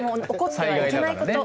災害だからね。